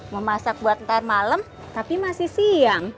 mau masak buat ntar malem tapi masih siang